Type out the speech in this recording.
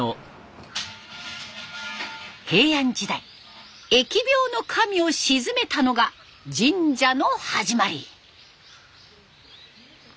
平安時代疫病の神を鎮めたのが神社の始まり。